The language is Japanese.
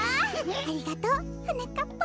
ありがとうはなかっぱん。